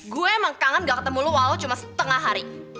gue emang kangen gak ketemu lu walau cuma setengah hari